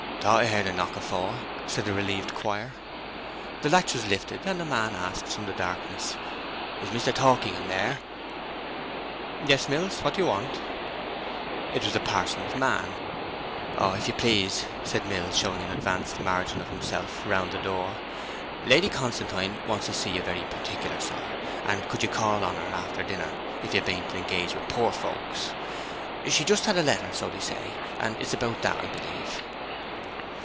'Thought I heard a knock before!' said the relieved choir. The latch was lifted, and a man asked from the darkness, 'Is Mr. Torkingham here?' 'Yes, Mills. What do you want?' It was the parson's man. 'Oh, if you please,' said Mills, showing an advanced margin of himself round the door, 'Lady Constantine wants to see you very particular, sir, and could you call on her after dinner, if you ben't engaged with poor fokes? She's just had a letter, so they say, and it's about that, I believe.'